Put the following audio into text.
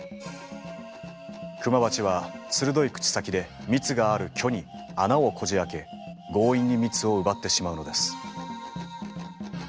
クマバチは鋭い口先で蜜がある距に穴をこじあけ強引に蜜を奪ってしまうのです。